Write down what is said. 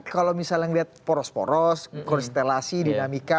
kalau misalnya lihat poros poros koristelasi dinamika